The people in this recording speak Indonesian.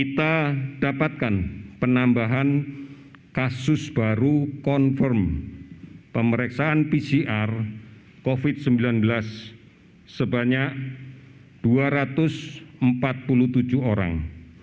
kita dapatkan penambahan kasus baru confirm pemeriksaan pcr covid sembilan belas sebanyak dua ratus empat puluh tujuh orang